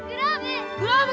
グローブ！